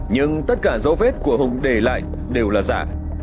nhưng tất cả dấu vết của hùng để lại đều là giả